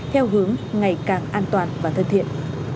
theo hướng ngày càng an toàn và thân thiện